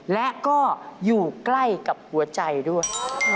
และก็อยู่ใกล้กับหัวใจด้วย